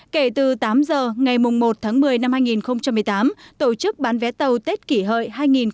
kể từ tám giờ ngày một tháng một mươi năm hai nghìn một mươi tám tổ chức bán vé tàu tết kỷ hợi hai nghìn một mươi chín